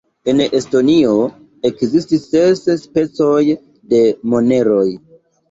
En Estonio ekzistis ses specoj de moneroj.